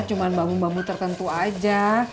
cuma bambu bambu tertentu aja